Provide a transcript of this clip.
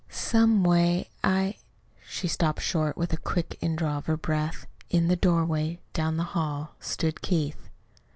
Some way, I " She stopped short, with a quick indrawing of her breath. In the doorway down the hall stood Keith.